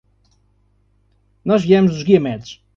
Nós viemos dos Guiamets.